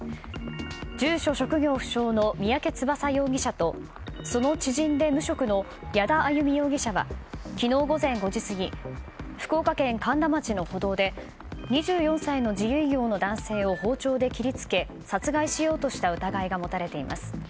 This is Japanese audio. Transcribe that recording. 住居・職業不詳の三宅翼容疑者とその知人で無職の矢田歩未容疑者は昨日午前５時過ぎ福岡県苅田町の歩道で２４歳の自営業の男性を包丁で切り付け殺害しようとした疑いが持たれています。